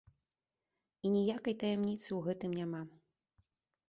І ніякай таямніцы ў гэтым няма.